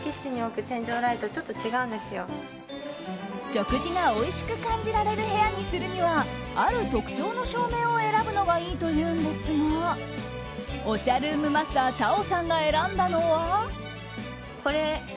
食事がおいしく感じられる部屋にするにはある特徴の照明を選ぶのがいいというんですがおしゃルームマスターＴａｏさんが選んだのは。